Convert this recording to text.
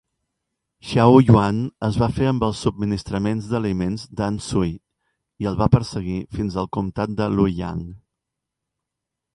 Xiahou Yuan es va fer amb els subministraments d'aliments d'Han Sui i el va perseguir fins al comtat de Lueyang.